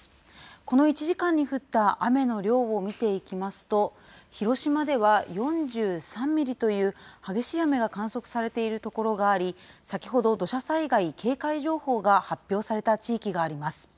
この１時間に降った雨の量を見ていきますと、広島では４３ミリという激しい雨が観測されている所があり、先ほど土砂災害警戒情報が発表された地域があります。